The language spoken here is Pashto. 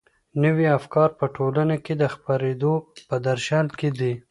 نوي افکار په ټولنه کي د خپرېدو په درشل کي دي.